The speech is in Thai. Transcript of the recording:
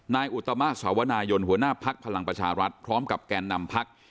นายอุตมาสวนายนหัวหน้าพลักษณ์พลังประชารัฐพร้อมกับแก่นนำพลักษณ์